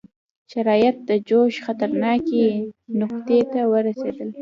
شرایط د جوش خطرناکې نقطې ته ورسېدل.